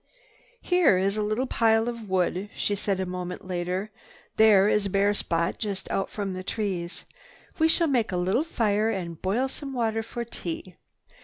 "Here is a little pile of wood," she said a moment later. "There is a bare spot just out from the trees. We shall make a little fire and boil some water for tea.